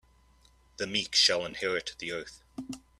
The meek shall inherit the earth.